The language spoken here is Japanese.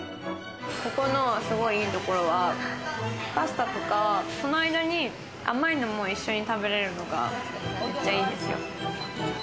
ここのすごい、いいところはパスタとか、その間に、甘いのも一緒に食べれるのがめっちゃいいんですよ。